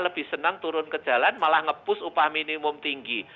lebih senang turun ke jalan malah nge push upah minimum tinggi